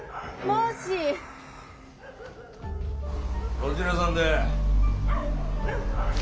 ・どちらさんで？